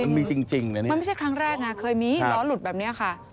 มันมีจริงมันไม่ใช่ครั้งแรกนะเคยมีล้อหลุดแบบเนี่ยค่ะ